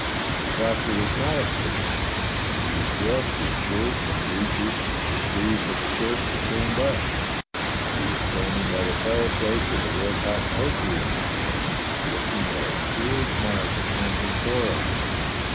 But the Doctor was not asleep. He was dressed in shirt and breeches, and the sleeves of the shirt were turned up. He was stand ing by the fireplace with a red hot poker in his hand, looking at a seared mark upon his forearm.